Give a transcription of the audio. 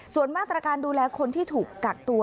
ส่วนมาตรการดูแลคนที่ถูกกักตัว